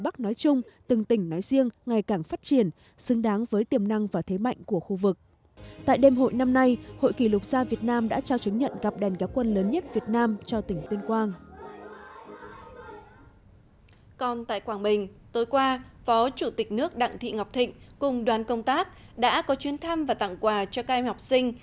còn tại quảng bình tối qua phó chủ tịch nước đặng thị ngọc thịnh cùng đoàn công tác đã có chuyến thăm và tặng quà cho các em học sinh